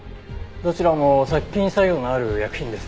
どちらも殺菌作用のある薬品ですね。